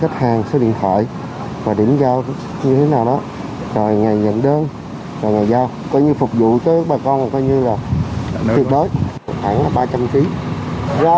thành điểm bán rau củ quả